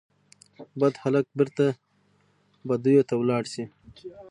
بد هلک بیرته بدیو ته ولاړ سي